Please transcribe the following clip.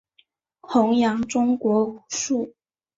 宏杨中国武术。